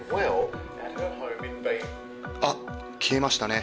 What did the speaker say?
あっ、消えましたね。